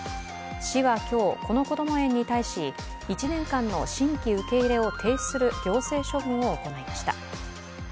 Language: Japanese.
市は今日、このこども園に対し１年間の新規受け入れを停止する行政処分を行いました。